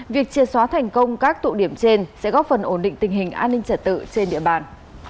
việc chia xóa thành công các tụ điểm trên sẽ góp phần ổn định tình hình an ninh trật tự trên địa bàn